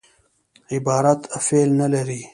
عبارت فعل نه لري.